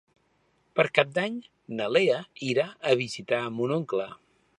Per Cap d'Any na Lea irà a visitar mon oncle.